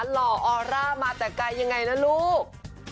ห่อออร่ามาแต่ไกลยังไงนะลูก